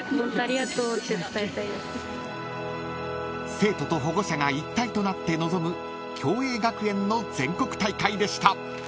［生徒と保護者が一体となって臨む共栄学園の全国大会でした］